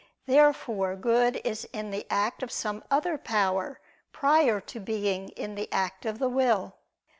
Therefore good is in the act of some other power prior to being in the act of the will.